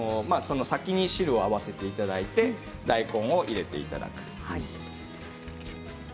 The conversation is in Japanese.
先に汁を合わせていただいて大根を入れていただく。